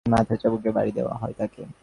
মাথায় চাবুকের বারি দেয়া হয় তাকে!